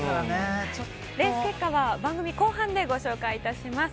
レース結果は番組後半でご紹介いたします。